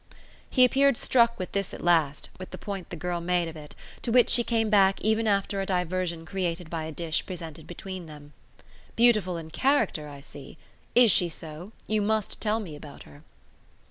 He appeared struck with this at last with the point the girl made of it; to which she came back even after a diversion created by a dish presented between them. "Beautiful in character, I see. IS she so? You must tell me about her."